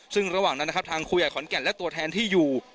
ซึ่งระหว่างนั้นนะครับทางคุยกับขอนแก่นและตัวแทนที่อยู่